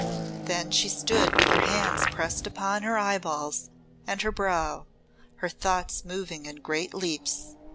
Then she stood with her hands pressed upon her eyeballs and her brow, her thoughts moving in great leaps.